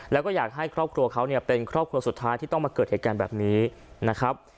แล้วก็อยากให้ครอบครัวเขาเนี่ยเป็นครอบครัวสุดท้ายที่ต้องมาเกิดเหตุการณ์แบบนี้นะครับ